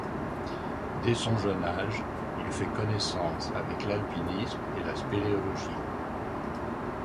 Dès son jeune âge, il fait connaissance avec l'alpinisme et la spéléologie.